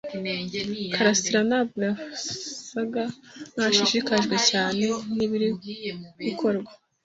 karasira ntabwo yasaga nkaho ashishikajwe cyane nibiri gukorwa.